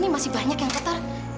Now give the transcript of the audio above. ini masih banyak yang qatar